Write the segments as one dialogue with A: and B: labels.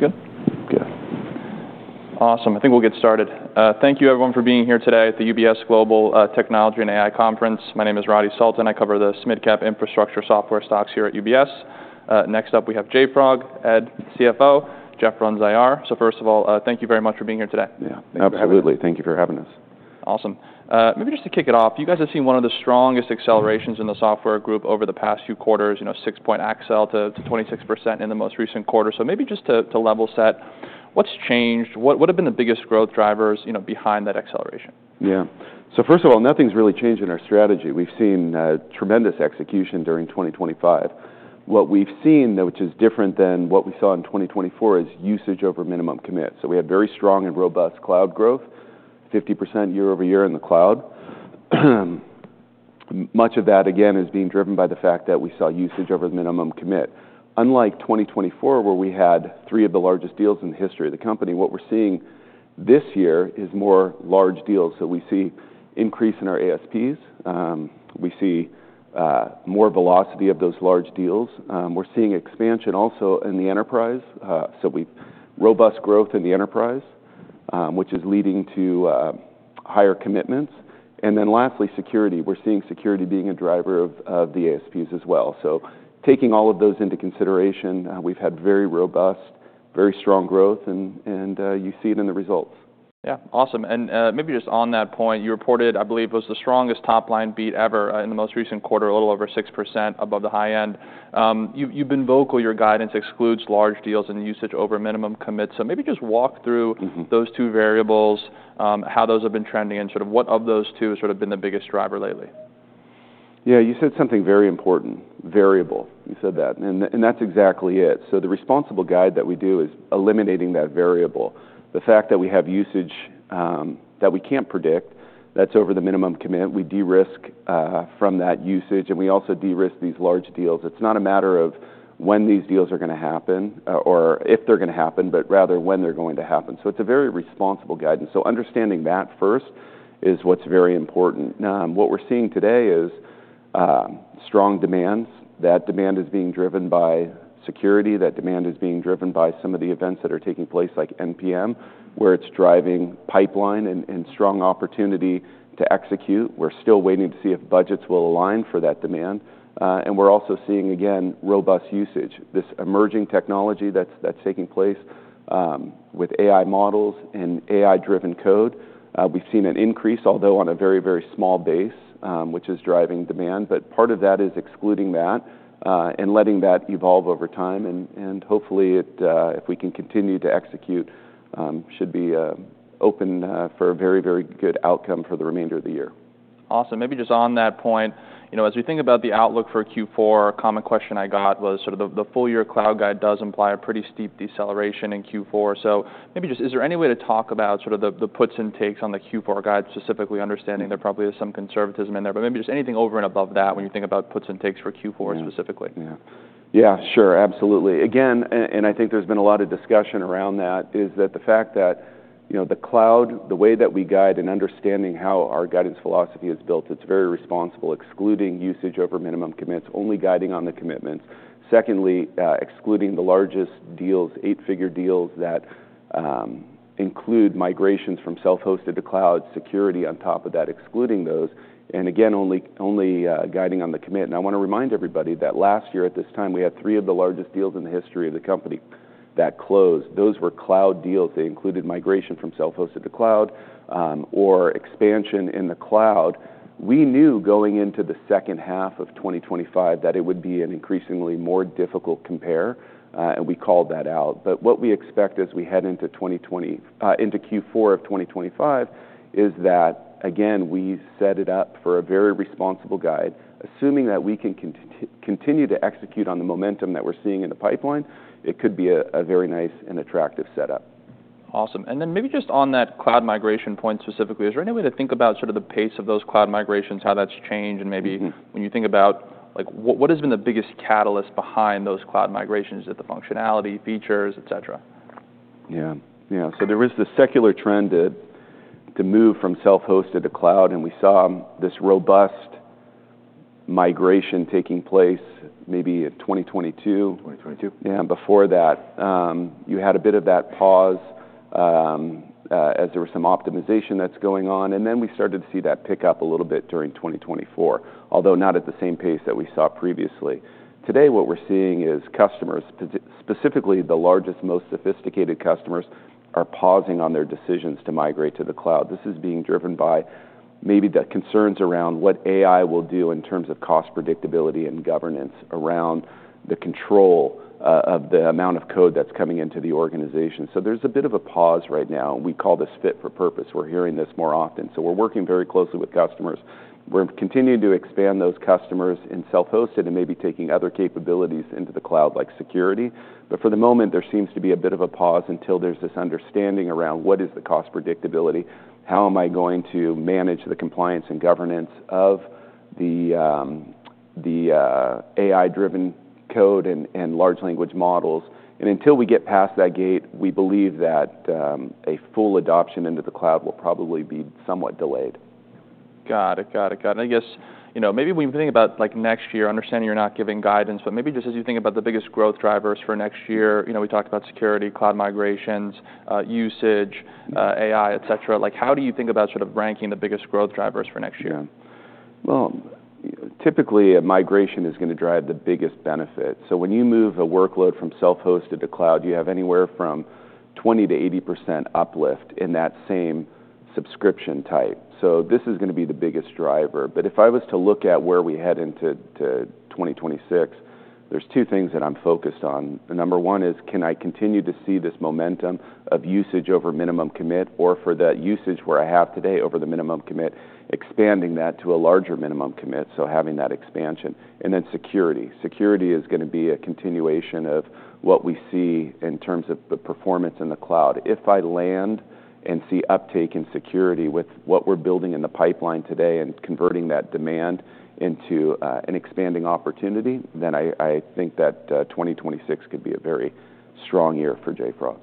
A: Let's go.
B: Good.
A: Awesome. I think we'll get started. Thank you, everyone, for being here today at the UBS Global Technology and AI Conference. My name is Radi Sultan. I cover the mid-cap infrastructure software stocks here at UBS. Next up we have JFrog, Ed, CFO, Jeff Schreiner, IR. First of all, thank you very much for being here today.
C: Yeah. Absolutely. Absolutely. Thank you for having us.
A: Awesome. Maybe just to kick it off, you guys have seen one of the strongest accelerations in the software group over the past few quarters, you know, six-point accel to 26% in the most recent quarter. Maybe just to level set, what's changed? What have been the biggest growth drivers, you know, behind that acceleration?
C: Yeah. So first of all, nothing's really changed in our strategy. We've seen tremendous execution during 2025. What we've seen, which is different than what we saw in 2024, is usage over minimum commit. So we had very strong and robust cloud growth, 50% year-over-year in the cloud. Much of that, again, is being driven by the fact that we saw usage over the minimum commit. Unlike 2024, where we had three of the largest deals in the history of the company, what we're seeing this year is more large deals. We see an increase in our ASPs. We see more velocity of those large deals. We're seeing expansion also in the enterprise. We have robust growth in the enterprise, which is leading to higher commitments. Lastly, security. We're seeing security being a driver of the ASPs as well. Taking all of those into consideration, we've had very robust, very strong growth, and you see it in the results.
A: Yeah. Awesome. Maybe just on that point, you reported, I believe it was the strongest top-line beat ever, in the most recent quarter, a little over 6% above the high end. You've been vocal. Your guidance excludes large deals and usage over minimum commit. Maybe just walk through.
C: Mm-hmm.
A: Those two variables, how those have been trending, and sort of which of those two has sort of been the biggest driver lately?
C: Yeah. You said something very important, variable. You said that. That's exactly it. The responsible guide that we do is eliminating that variable. The fact that we have usage that we can't predict, that's over the minimum commit. We de-risk from that usage, and we also de-risk these large deals. It's not a matter of if these deals are gonna happen, but rather when they're going to happen. It's a very responsible guidance. Understanding that first is what's very important. What we're seeing today is strong demands. That demand is being driven by security. That demand is being driven by some of the events that are taking place, like npm, where it's driving pipeline and strong opportunity to execute. We're still waiting to see if budgets will align for that demand. We're also seeing, again, robust usage. This emerging technology that's taking place, with AI models and AI-driven code, we've seen an increase, although on a very, very small base, which is driving demand. Part of that is excluding that, and letting that evolve over time. Hopefully, if we can continue to execute, it should be open for a very, very good outcome for the remainder of the year.
A: Awesome. Maybe just on that point, you know, as we think about the outlook for Q4, a common question I got was sort of the, the full-year cloud guide does imply a pretty steep deceleration in Q4. Maybe just, is there any way to talk about sort of the, the puts and takes on the Q4 guide, specifically understanding there probably is some conservatism in there, but maybe just anything over and above that when you think about puts and takes for Q4 specifically?
C: Yeah. Yeah. Sure. Absolutely. Again, I think there's been a lot of discussion around that, is that the fact that, you know, the cloud, the way that we guide and understanding how our guidance philosophy is built, it's very responsible, excluding usage over minimum commits, only guiding on the commitments. Secondly, excluding the largest deals, eight-figure deals that include migrations from self-hosted to cloud, security on top of that, excluding those. Again, only, only guiding on the commit. I wanna remind everybody that last year at this time, we had three of the largest deals in the history of the company that closed. Those were cloud deals. They included migration from self-hosted to cloud, or expansion in the cloud. We knew going into the second half of 2025 that it would be an increasingly more difficult compare, and we called that out. What we expect as we head into 2020, into Q4 of 2025, is that, again, we set it up for a very responsible guide, assuming that we can continue, continue to execute on the momentum that we're seeing in the pipeline, it could be a, a very nice and attractive setup.
A: Awesome. Maybe just on that cloud migration point specifically, is there any way to think about sort of the pace of those cloud migrations, how that's changed? Maybe.
C: Mm-hmm.
A: When you think about, like, what has been the biggest catalyst behind those cloud migrations? Is it the functionality, features, etc.?
C: Yeah. Yeah. There is the secular trend to move from self-hosted to cloud, and we saw this robust migration taking place maybe in 2022.
B: 2022.
C: Yeah. Before that, you had a bit of that pause, as there was some optimization that's going on. Then we started to see that pick up a little bit during 2024, although not at the same pace that we saw previously. Today, what we're seeing is customers, specifically the largest, most sophisticated customers, are pausing on their decisions to migrate to the cloud. This is being driven by maybe the concerns around what AI will do in terms of cost predictability and governance around the control, of the amount of code that's coming into the organization. There is a bit of a pause right now. We call this fit for purpose. We're hearing this more often. We're working very closely with customers. We're continuing to expand those customers in self-hosted and maybe taking other capabilities into the cloud, like security. For the moment, there seems to be a bit of a pause until there's this understanding around what is the cost predictability, how am I going to manage the compliance and governance of the, the, AI-driven code and, and large language models. Until we get past that gate, we believe that a full adoption into the cloud will probably be somewhat delayed.
A: Got it. Got it. Got it. I guess, you know, maybe when you think about, like, next year, understanding you're not giving guidance, but maybe just as you think about the biggest growth drivers for next year, you know, we talked about security, cloud migrations, usage, AI, etc. Like, how do you think about sort of ranking the biggest growth drivers for next year?
C: Yeah. Typically, a migration is gonna drive the biggest benefit. When you move a workload from self-hosted to cloud, you have anywhere from 20%-80% uplift in that same subscription type. This is gonna be the biggest driver. If I was to look at where we head into, to 2026, there are two things that I'm focused on. Number one is, can I continue to see this momentum of usage over minimum commit, or for that usage where I have today over the minimum commit, expanding that to a larger minimum commit? Having that expansion. Security is gonna be a continuation of what we see in terms of the performance in the cloud. If I land and see uptake in security with what we're building in the pipeline today and converting that demand into, an expanding opportunity, then I think that 2026 could be a very strong year for JFrog.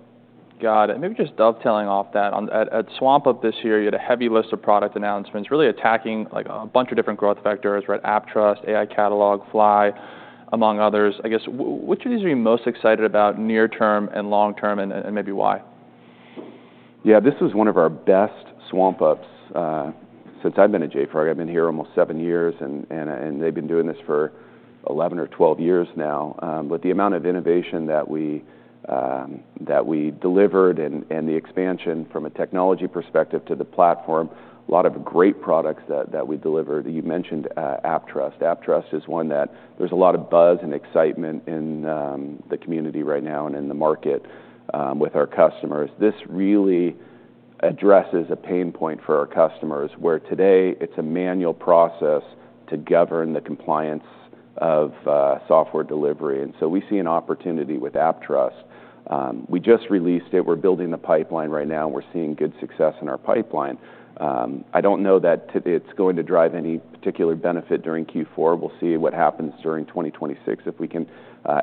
A: Got it. Maybe just dovetailing off that, at swampUP this year, you had a heavy list of product announcements, really attacking, like, a bunch of different growth vectors: AppTrust, AI Catalog, Fly, among others. I guess, which of these are you most excited about near-term and long-term, and maybe why?
C: Yeah. This was one of our best swampUPs, since I've been at JFrog. I've been here almost seven years, and they've been doing this for 11 or 12 years now. The amount of innovation that we delivered and the expansion from a technology perspective to the platform, a lot of great products that we delivered. You mentioned AppTrust. AppTrust is one that there's a lot of buzz and excitement in the community right now and in the market, with our customers. This really addresses a pain point for our customers where today it's a manual process to govern the compliance of software delivery. We see an opportunity with AppTrust. We just released it. We're building the pipeline right now, and we're seeing good success in our pipeline. I don't know that it's going to drive any particular benefit during Q4. We'll see what happens during 2026 if we can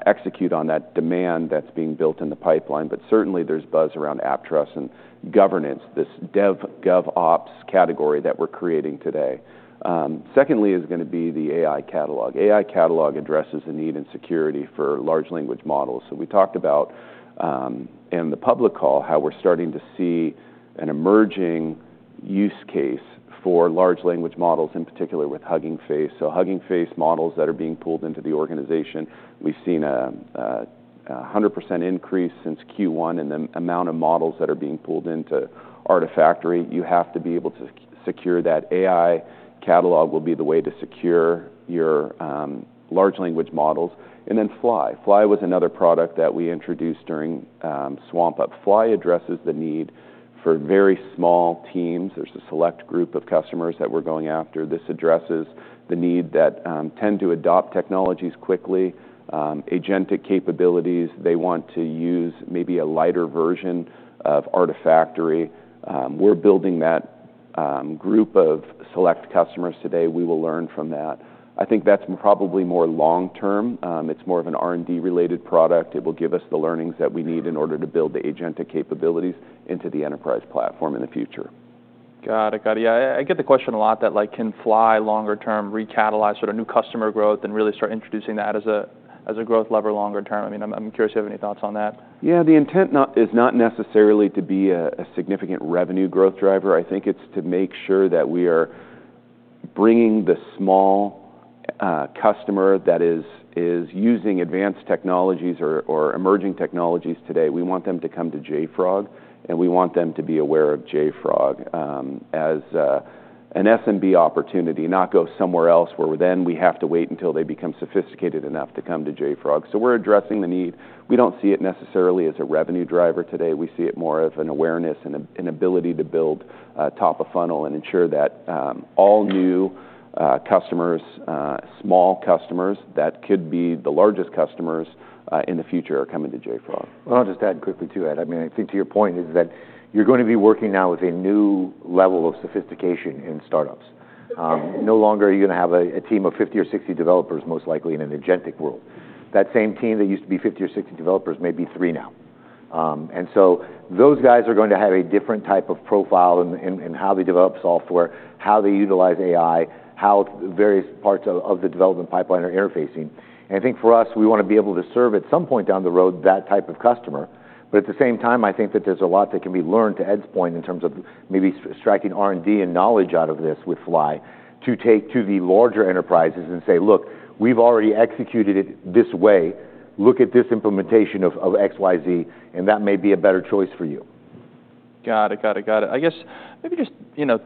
C: execute on that demand that's being built in the pipeline. Certainly, there's buzz around AppTrust and governance, this DevGovOps category that we're creating today. Secondly is going to be the AI Catalog. AI Catalog addresses the need in security for large language models. We talked about, in the public call, how we're starting to see an emerging use case for large language models, in particular with Hugging Face. Hugging Face models that are being pulled into the organization. We've seen a 100% increase since Q1 in the amount of models that are being pulled into Artifactory. You have to be able to secure that. AI Catalog will be the way to secure your large language models. And then Fly. Fly was another product that we introduced during swampUP. Fly addresses the need for very small teams. There's a select group of customers that we're going after. This addresses the need that tend to adopt technologies quickly, agentic capabilities. They want to use maybe a lighter version of Artifactory. We're building that group of select customers today. We will learn from that. I think that's probably more long-term. It's more of an R&D-related product. It will give us the learnings that we need in order to build the agentic capabilities into the enterprise platform in the future.
A: Got it. Got it. Yeah. I get the question a lot that, like, can Fly longer-term recatalyze sort of new customer growth and really start introducing that as a growth lever longer-term? I mean, I'm curious if you have any thoughts on that.
C: Yeah. The intent is not necessarily to be a significant revenue growth driver. I think it's to make sure that we are bringing the small customer that is using advanced technologies or emerging technologies today. We want them to come to JFrog, and we want them to be aware of JFrog as an SMB opportunity, not go somewhere else where then we have to wait until they become sophisticated enough to come to JFrog. We are addressing the need. We don't see it necessarily as a revenue driver today. We see it more as an awareness and an ability to build top of funnel and ensure that all new customers, small customers that could be the largest customers in the future, are coming to JFrog.
B: I mean, I think to your point is that you're gonna be working now with a new level of sophistication in startups. No longer are you gonna have a team of 50 or 60 developers, most likely, in an agentic world. That same team that used to be 50 or 60 developers may be three now. And so those guys are going to have a different type of profile in how they develop software, how they utilize AI, how various parts of the development pipeline are interfacing. I think for us, we wanna be able to serve at some point down the road that type of customer. At the same time, I think that there's a lot that can be learned to Ed's point in terms of maybe extracting R&D and knowledge out of this with Fly to take to the larger enterprises and say, "Look, we've already executed it this way. Look at this implementation of, of XYZ, and that may be a better choice for you.
A: Got it. Got it. Got it. I guess maybe just, you know,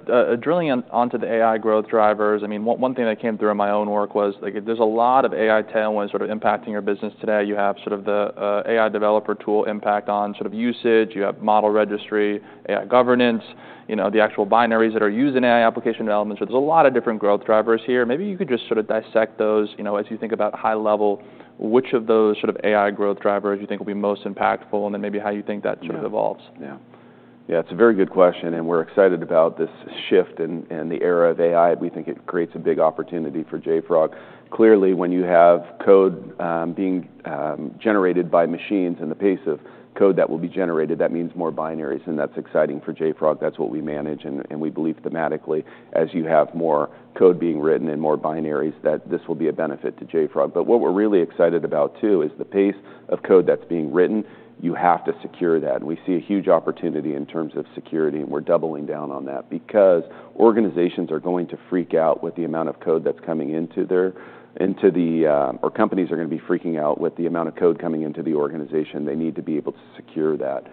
A: drilling on, onto the AI growth drivers. I mean, one thing that came through in my own work was, like, there's a lot of AI tailwinds sort of impacting your business today. You have sort of the AI developer tool impact on sort of usage. You have model registry, AI Governance, you know, the actual binaries that are used in AI application development. So there's a lot of different growth drivers here. Maybe you could just sort of dissect those, you know, as you think about high level, which of those sort of AI growth drivers you think will be most impactful, and then maybe how you think that sort of evolves.
C: Yeah. Yeah. It's a very good question, and we're excited about this shift and the era of AI. We think it creates a big opportunity for JFrog. Clearly, when you have code being generated by machines and the pace of code that will be generated, that means more binaries, and that's exciting for JFrog. That's what we manage, and we believe thematically, as you have more code being written and more binaries, that this will be a benefit to JFrog. What we're really excited about too is the pace of code that's being written. You have to secure that. We see a huge opportunity in terms of security, and we're doubling down on that because organizations are going to freak out with the amount of code that's coming into their, into the, or companies are gonna be freaking out with the amount of code coming into the organization. They need to be able to secure that.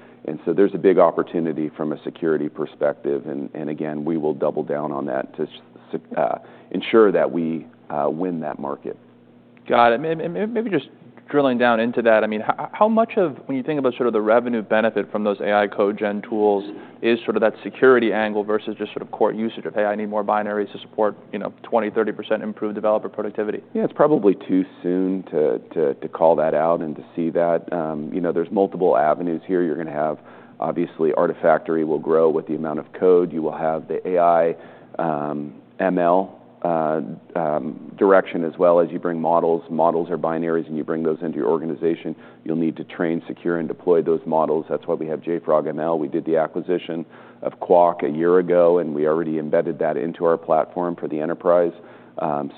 C: There's a big opportunity from a security perspective. Again, we will double down on that to ensure that we win that market.
A: Got it. Maybe just drilling down into that, I mean, how much of, when you think about sort of the revenue benefit from those AI code gen tools is sort of that security angle versus just sort of core usage of, "Hey, I need more binaries to support, you know, 20%-30% improved developer productivity"?
C: Yeah. It's probably too soon to call that out and to see that. You know, there's multiple avenues here. You're gonna have, obviously, Artifactory will grow with the amount of code. You will have the AI, ML, direction as well as you bring models. Models are binaries, and you bring those into your organization. You'll need to train, secure, and deploy those models. That's why we have JFrog ML. We did the acquisition of Qwak a year ago, and we already embedded that into our platform for the enterprise.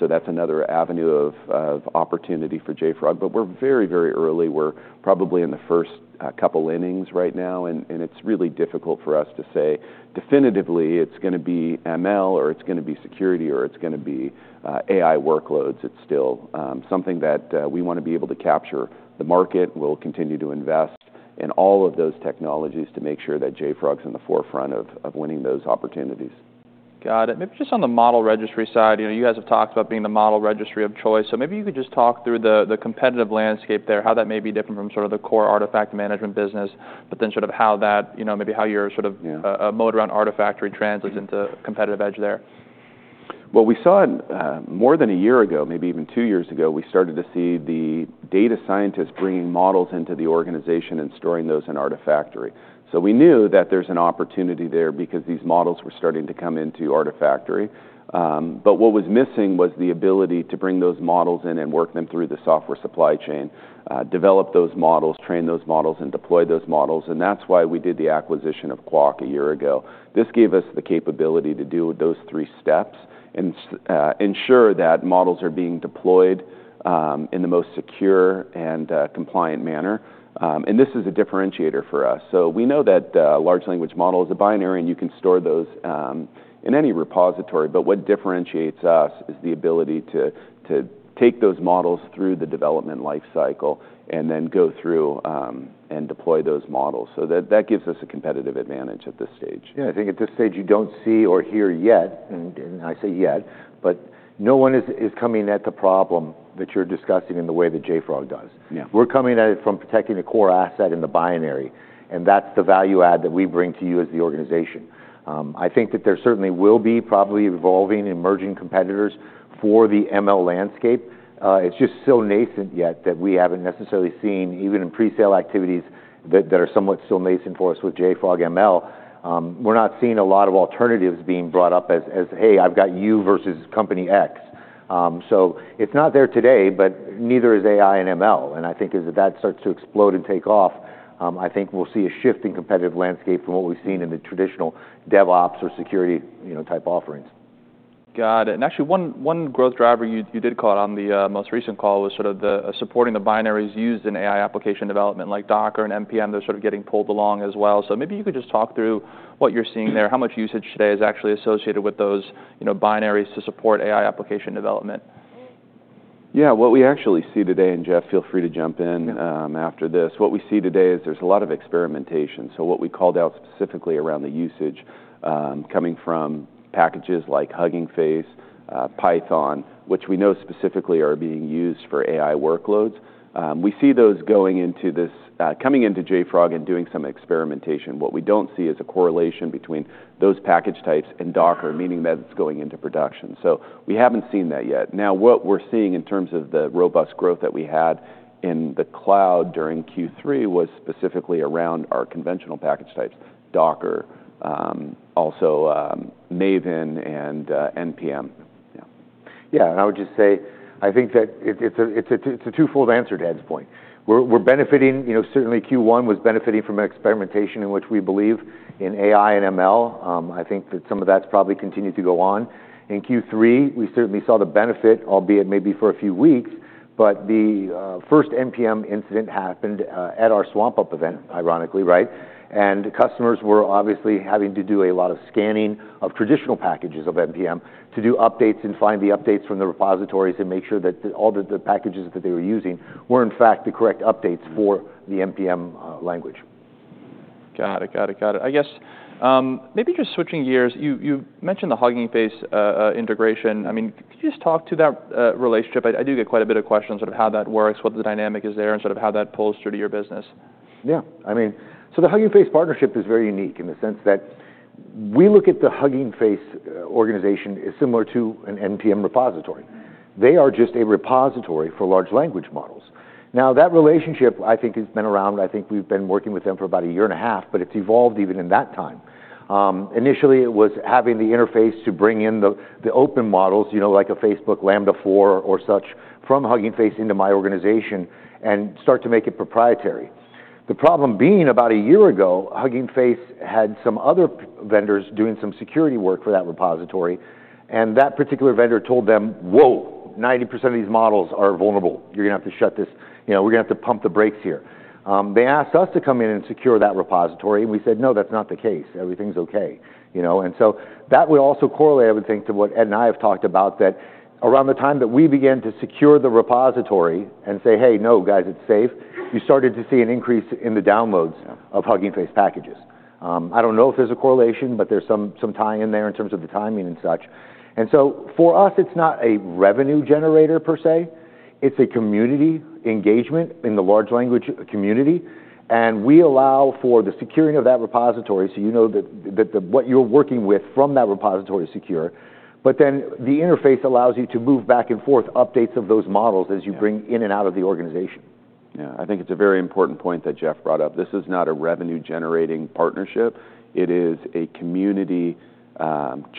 C: That's another avenue of opportunity for JFrog. We're very, very early. We're probably in the first couple innings right now, and it's really difficult for us to say definitively it's gonna be ML or it's gonna be security or it's gonna be AI workloads. It's still something that we wanna be able to capture the market. We'll continue to invest in all of those technologies to make sure that JFrog's in the forefront of winning those opportunities.
A: Got it. Maybe just on the model registry side, you know, you guys have talked about being the model registry of choice. Maybe you could just talk through the competitive landscape there, how that may be different from sort of the core artifact management business, but then sort of how that, you know, maybe how your sort of mode around Artifactory translates into competitive edge there.
C: We saw in, more than a year ago, maybe even two years ago, we started to see the data scientists bringing models into the organization and storing those in Artifactory. We knew that there's an opportunity there because these models were starting to come into Artifactory. What was missing was the ability to bring those models in and work them through the software supply chain, develop those models, train those models, and deploy those models. That is why we did the acquisition of Qwak a year ago. This gave us the capability to do those three steps and ensure that models are being deployed in the most secure and compliant manner. This is a differentiator for us. We know that large language model is a binary, and you can store those in any repository. What differentiates us is the ability to take those models through the development life cycle and then go through and deploy those models. That gives us a competitive advantage at this stage.
B: Yeah. I think at this stage you do not see or hear yet, and I say yet, but no one is coming at the problem that you are discussing in the way that JFrog does.
C: Yeah.
B: We're coming at it from protecting a core asset in the binary, and that's the value add that we bring to you as the organization. I think that there certainly will be probably evolving emerging competitors for the ML landscape. It's just so nascent yet that we haven't necessarily seen, even in presale activities that are somewhat still nascent for us with JFrog ML, we're not seeing a lot of alternatives being brought up as, as, "Hey, I've got you versus company X." It's not there today, but neither is AI and ML. I think as that starts to explode and take off, I think we'll see a shift in competitive landscape from what we've seen in the traditional DevOps or security, you know, type offerings.
A: Got it. Actually, one growth driver you did call out on the most recent call was sort of supporting the binaries used in AI application development like Docker and npm. They're sort of getting pulled along as well. Maybe you could just talk through what you're seeing there, how much usage today is actually associated with those binaries to support AI application development.
C: Yeah. What we actually see today, and Jeff, feel free to jump in after this. What we see today is there's a lot of experimentation. What we called out specifically around the usage, coming from packages like Hugging Face, Python, which we know specifically are being used for AI workloads. We see those going into this, coming into JFrog and doing some experimentation. What we don't see is a correlation between those package types and Docker, meaning that it's going into production. We haven't seen that yet. Now, what we're seeing in terms of the robust growth that we had in the cloud during Q3 was specifically around our conventional package types, Docker, also Maven and npm. Yeah.
B: Yeah. I would just say, I think that it, it's a, it's a twofold answer to Ed's point. We're benefiting, you know, certainly Q1 was benefiting from experimentation in which we believe in AI and ML. I think that some of that's probably continued to go on. In Q3, we certainly saw the benefit, albeit maybe for a few weeks, but the first npm incident happened at our swampUP event, ironically, right? Customers were obviously having to do a lot of scanning of traditional packages of npm to do updates and find the updates from the repositories and make sure that all the packages that they were using were in fact the correct updates for the npm language.
A: Got it. Got it. Got it. I guess, maybe just switching gears, you mentioned the Hugging Face integration. I mean, could you just talk to that relationship? I do get quite a bit of questions sort of how that works, what the dynamic is there, and sort of how that pulls through to your business.
B: Yeah. I mean, the Hugging Face partnership is very unique in the sense that we look at the Hugging Face organization as similar to an npm repository. They are just a repository for large language models. Now, that relationship, I think, has been around. I think we've been working with them for about a year and a half, but it's evolved even in that time. Initially, it was having the interface to bring in the open models, you know, like a Facebook Llama 4 or such from Hugging Face into my organization and start to make it proprietary. The problem being about a year ago, Hugging Face had some other vendors doing some security work for that repository, and that particular vendor told them, "Whoa, 90% of these models are vulnerable. You're gonna have to shut this, you know, we're gonna have to pump the brakes here." They asked us to come in and secure that repository, and we said, "No, that's not the case. Everything's okay," you know? That would also correlate, I would think, to what Ed and I have talked about, that around the time that we began to secure the repository and say, "Hey, no, guys, it's safe," you started to see an increase in the downloads of Hugging Face packages. I don't know if there's a correlation, but there's some, some tying in there in terms of the timing and such. For us, it's not a revenue generator per se. It's a community engagement in the large language community, and we allow for the securing of that repository so you know that what you're working with from that repository is secure. The interface allows you to move back and forth updates of those models as you bring in and out of the organization.
C: Yeah. I think it's a very important point that Jeff brought up. This is not a revenue-generating partnership. It is a community,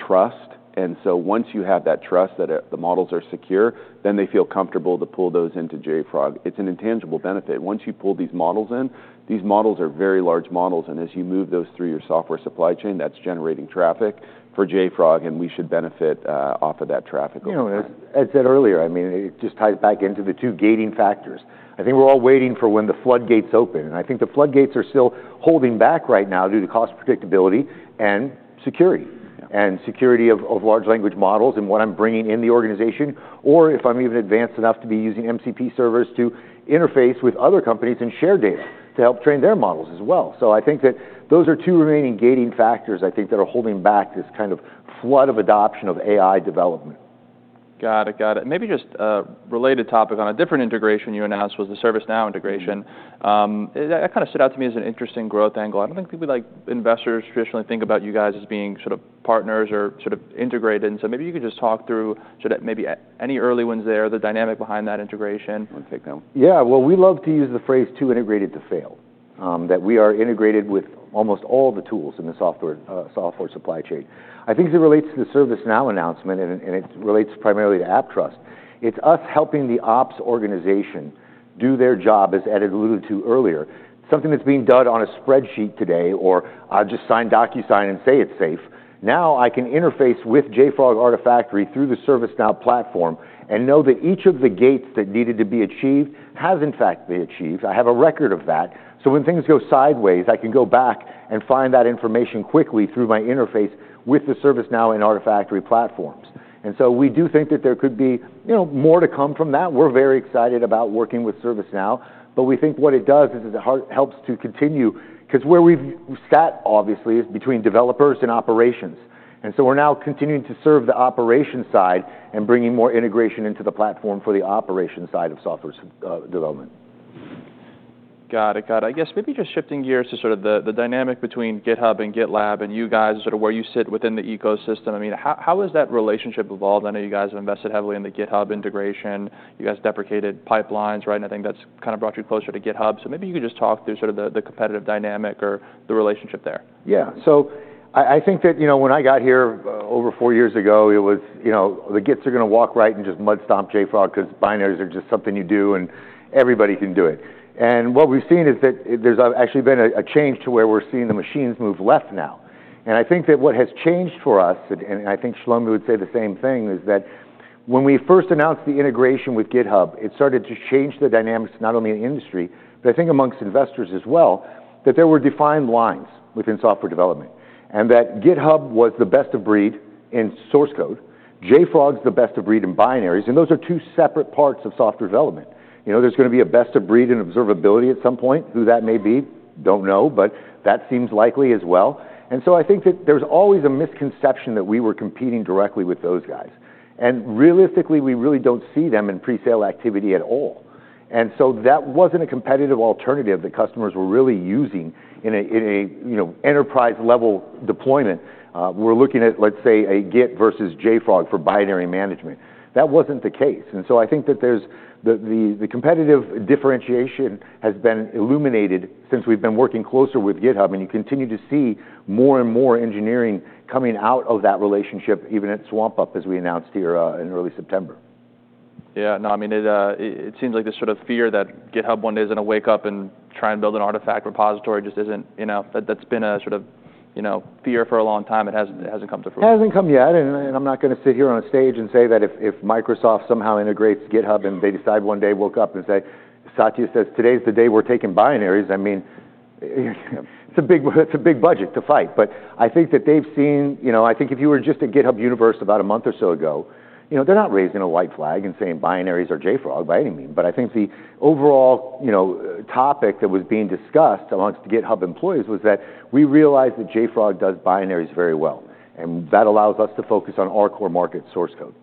C: trust. And so once you have that trust that the models are secure, then they feel comfortable to pull those into JFrog. It's an intangible benefit. Once you pull these models in, these models are very large models, and as you move those through your software supply chain, that's generating traffic for JFrog, and we should benefit, off of that traffic over time.
B: You know, as Ed said earlier, I mean, it just ties back into the two gating factors. I think we're all waiting for when the floodgates open, and I think the floodgates are still holding back right now due to cost predictability and security.
C: Yeah.
B: Security of large language models and what I'm bringing in the organization, or if I'm even advanced enough to be using MCP servers to interface with other companies and share data to help train their models as well. I think that those are two remaining gating factors, I think, that are holding back this kind of flood of adoption of AI development.
A: Got it. Got it. Maybe just a related topic on a different integration you announced was the ServiceNow integration. That kind of stood out to me as an interesting growth angle. I do not think we like investors traditionally think about you guys as being sort of partners or sort of integrated. Maybe you could just talk through sort of maybe any early ones there, the dynamic behind that integration.
B: Okay. Yeah. We love to use the phrase "too integrated to fail," that we are integrated with almost all the tools in the software, software supply chain. I think as it relates to the ServiceNow announcement, and it relates primarily to AppTrust, it's us helping the ops organization do their job, as Ed had alluded to earlier, something that's being done on a spreadsheet today or I just sign DocuSign and say it's safe. Now I can interface with JFrog Artifactory through the ServiceNow platform and know that each of the gates that needed to be achieved has in fact been achieved. I have a record of that. When things go sideways, I can go back and find that information quickly through my interface with the ServiceNow and Artifactory platforms. We do think that there could be, you know, more to come from that. We're very excited about working with ServiceNow, but we think what it does is it helps to continue because where we've sat, obviously, is between developers and operations. We're now continuing to serve the operation side and bringing more integration into the platform for the operation side of software development.
A: Got it. Got it. I guess maybe just shifting gears to sort of the, the dynamic between GitHub and GitLab and you guys and sort of where you sit within the ecosystem. I mean, how, how has that relationship evolved? I know you guys have invested heavily in the GitHub integration. You guys deprecated pipelines, right? I think that's kind of brought you closer to GitHub. Maybe you could just talk through sort of the, the competitive dynamic or the relationship there.
B: Yeah. I think that, you know, when I got here, over four years ago, it was, you know, the GITs are gonna walk right and just mudstomp JFrog because binaries are just something you do and everybody can do it. What we've seen is that there's actually been a change to where we're seeing the machines move left now. I think that what has changed for us, and I think Shlomi would say the same thing, is that when we first announced the integration with GitHub, it started to change the dynamics not only in industry, but I think amongst investors as well, that there were defined lines within software development and that GitHub was the best of breed in source code. JFrog's the best of breed in binaries, and those are two separate parts of software development. You know, there's gonna be a best of breed in observability at some point. Who that may be, don't know, but that seems likely as well. I think that there's always a misconception that we were competing directly with those guys. Realistically, we really don't see them in presale activity at all. That wasn't a competitive alternative that customers were really using in a, in a, you know, enterprise-level deployment. We're looking at, let's say, a Git versus JFrog for binary management. That wasn't the case. I think that the competitive differentiation has been illuminated since we've been working closer with GitHub, and you continue to see more and more engineering coming out of that relationship, even at swampUP, as we announced here, in early September.
A: Yeah. No, I mean, it seems like this sort of fear that GitHub one day is gonna wake up and try and build an artifact repository just isn't, you know, that's been a sort of, you know, fear for a long time. It hasn't, hasn't come to fruition.
B: It hasn't come yet. I'm not gonna sit here on a stage and say that if Microsoft somehow integrates GitHub and they decide one day, woke up and say, "Satya says, today's the day we're taking binaries," I mean, it's a big, it's a big budget to fight. I think that they've seen, you know, I think if you were just at GitHub Universe about a month or so ago, you know, they're not raising a white flag and saying binaries are JFrog by any means. I think the overall, you know, topic that was being discussed amongst GitHub employees was that we realized that JFrog does binaries very well, and that allows us to focus on our core market source code.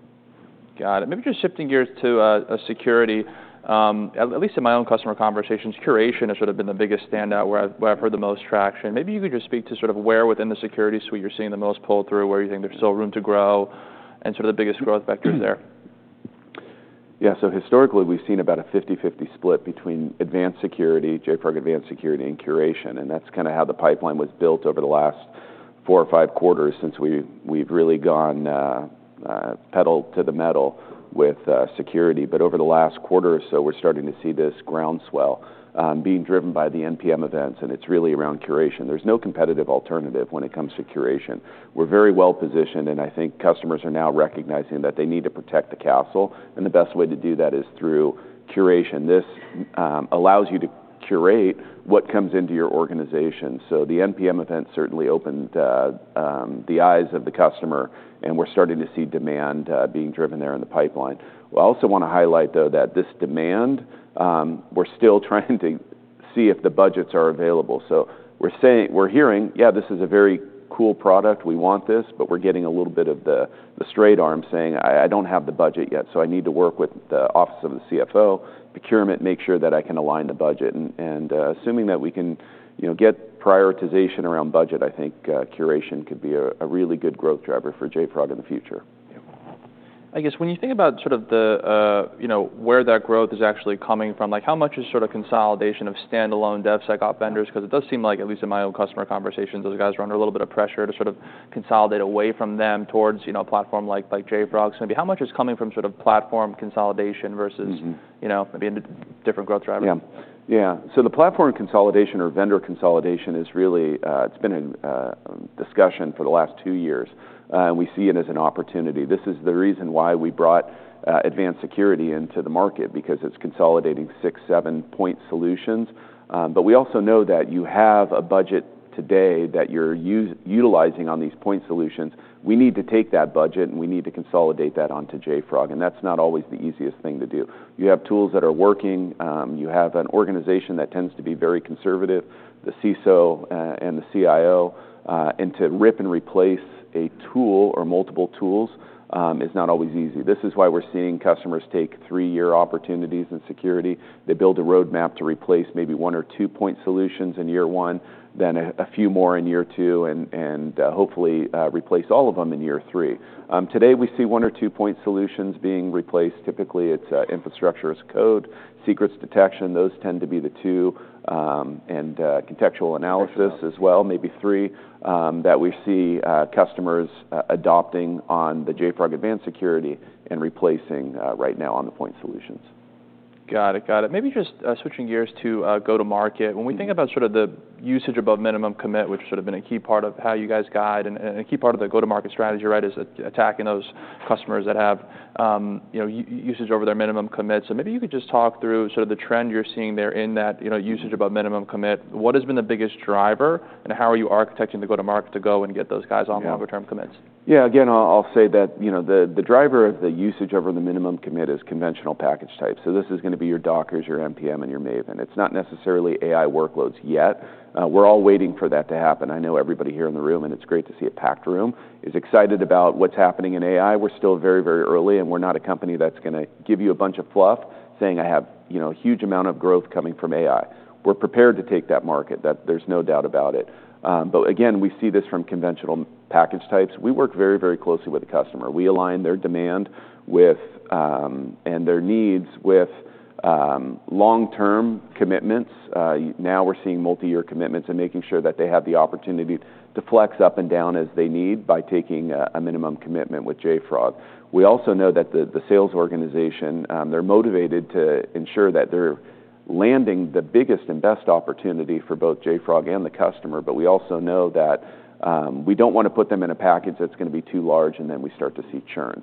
A: Got it. Maybe just shifting gears to security, at least in my own customer conversations, curation has sort of been the biggest standout where I, where I've heard the most traction. Maybe you could just speak to sort of where within the security suite you're seeing the most pull through, where you think there's still room to grow and sort of the biggest growth vectors there.
C: Yeah. Historically, we've seen about a 50/50 split between Advanced Security, JFrog Advanced Security, and curation. That's kind of how the pipeline was built over the last four or five quarters since we've really gone pedal to the metal with security. Over the last quarter or so, we're starting to see this groundswell being driven by the npm events, and it's really around curation. There's no competitive alternative when it comes to curation. We're very well positioned, and I think customers are now recognizing that they need to protect the castle, and the best way to do that is through curation. This allows you to curate what comes into your organization. The npm events certainly opened the eyes of the customer, and we're starting to see demand being driven there in the pipeline. I also wanna highlight, though, that this demand, we're still trying to see if the budgets are available. We're saying, we're hearing, "Yeah, this is a very cool product. We want this," but we're getting a little bit of the straight arm saying, "I don't have the budget yet, so I need to work with the office of the CFO, procurement, make sure that I can align the budget." Assuming that we can, you know, get prioritization around budget, I think curation could be a really good growth driver for JFrog in the future.
A: Yeah. I guess when you think about sort of the, you know, where that growth is actually coming from, like how much is sort of consolidation of standalone devs that got vendors? Because it does seem like, at least in my own customer conversations, those guys run a little bit of pressure to sort of consolidate away from them towards, you know, a platform like, like JFrog. So maybe how much is coming from sort of platform consolidation versus, you know, maybe a different growth driver?
C: Yeah. Yeah. The platform consolidation or vendor consolidation is really, it's been in discussion for the last two years, and we see it as an opportunity. This is the reason why we brought Advanced Security into the market because it's consolidating six, seven point solutions. We also know that you have a budget today that you're utilizing on these point solutions. We need to take that budget, and we need to consolidate that onto JFrog. That's not always the easiest thing to do. You have tools that are working. You have an organization that tends to be very conservative, the CISO, and the CIO. To rip and replace a tool or multiple tools is not always easy. This is why we're seeing customers take three-year opportunities in security. They build a roadmap to replace maybe one or two point solutions in year one, then a few more in year two, and, hopefully, replace all of them in year three. Today we see one or two point solutions being replaced. Typically, it's infrastructure as code, secrets detection. Those tend to be the two, and contextual analysis as well, maybe three, that we see customers adopting on the JFrog Advanced Security and replacing right now on the point solutions.
A: Got it. Got it. Maybe just switching gears to Go-To-Market. When we think about sort of the usage above minimum commit, which has sort of been a key part of how you guys guide and a key part of the Go-To-Market strategy, right, is attacking those customers that have, you know, usage over their minimum commit. Maybe you could just talk through sort of the trend you're seeing there in that, you know, usage above minimum commit. What has been the biggest driver, and how are you architecting the Go-To-Market to go and get those guys on longer-term commits?
C: Yeah. Again, I'll say that, you know, the driver of the usage over the minimum commit is conventional package types. This is gonna be your Dockers, your npm, and your Maven. It's not necessarily AI workloads yet. We're all waiting for that to happen. I know everybody here in the room, and it's great to see a packed room, is excited about what's happening in AI. We're still very, very early, and we're not a company that's gonna give you a bunch of fluff saying, "I have, you know, a huge amount of growth coming from AI." We're prepared to take that market. There's no doubt about it. Again, we see this from conventional package types. We work very, very closely with the customer. We align their demand with, and their needs with, long-term commitments. Now we're seeing multi-year commitments and making sure that they have the opportunity to flex up and down as they need by taking a minimum commitment with JFrog. We also know that the sales organization, they're motivated to ensure that they're landing the biggest and best opportunity for both JFrog and the customer. We also know that we don't wanna put them in a package that's gonna be too large, and then we start to see churn.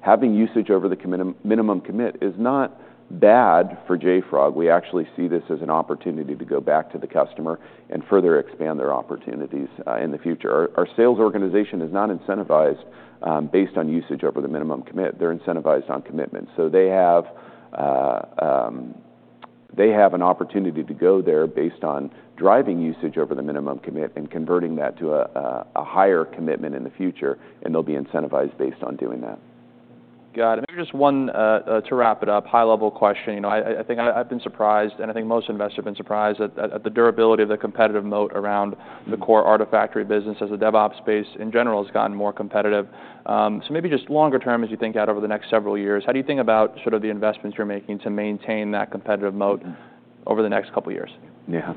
C: Having usage over the minimum commit is not bad for JFrog. We actually see this as an opportunity to go back to the customer and further expand their opportunities in the future. Our sales organization is not incentivized based on usage over the minimum commit. They're incentivized on commitment. They have an opportunity to go there based on driving usage over the minimum commit and converting that to a higher commitment in the future, and they'll be incentivized based on doing that.
A: Got it. Maybe just one, to wrap it up, high-level question. You know, I think I, I've been surprised, and I think most investors have been surprised at the durability of the competitive moat around the core Artifactory business as the DevOps space in general has gotten more competitive. Maybe just longer term, as you think out over the next several years, how do you think about sort of the investments you're making to maintain that competitive moat over the next couple of years?
C: Yeah.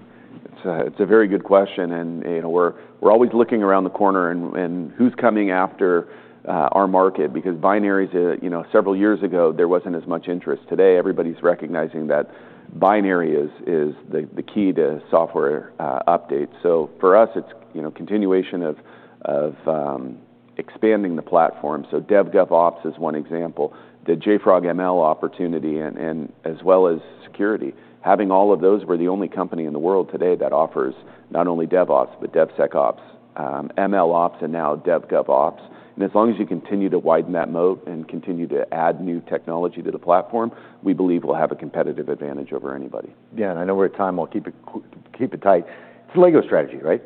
C: It's a very good question. You know, we're always looking around the corner and who's coming after our market because binaries, you know, several years ago, there wasn't as much interest. Today, everybody's recognizing that binary is the key to software updates. For us, it's continuation of expanding the platform. DevGovOps is one example, the JFrog ML opportunity, and as well as security. Having all of those, we're the only company in the world today that offers not only DevOps, but DevSecOps, MLOps, and now DevGovOps. As long as you continue to widen that moat and continue to add new technology to the platform, we believe we'll have a competitive advantage over anybody.
B: Yeah. I know we're at time. I'll keep it quick, keep it tight. It's a Lego strategy, right?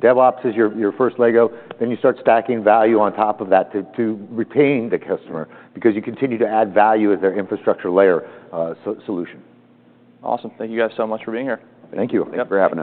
B: DevOps is your first Lego. Then you start stacking value on top of that to retain the customer because you continue to add value as their infrastructure layer solution.
A: Awesome. Thank you guys so much for being here.
B: Thank you.
A: Yep.
C: For having us.